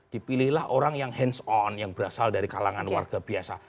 dipilihlah orang yang hands on yang berasal dari kalangan warga biasa